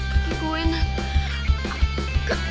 kegi gue nak